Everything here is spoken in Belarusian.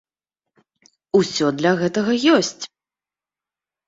Усё для гэтага ёсць!